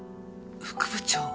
副部長。